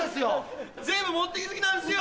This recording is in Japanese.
全部持っていき過ぎなんすよ！